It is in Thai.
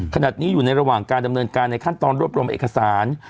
ขณะนี้อยู่ในระหว่างการดำเนินการในขั้นตอนรวบรวมเอกสาร